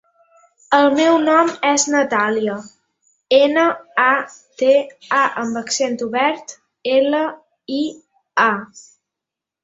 El meu nom és Natàlia: ena, a, te, a amb accent obert, ela, i, a.